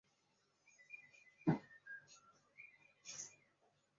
事件中没有导致伤亡。